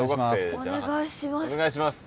お願いします。